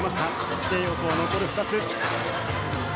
規定要素は残り２つ。